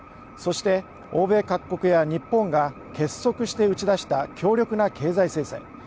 そして欧米各国や日本が結束して打ち出した強力な経済制裁。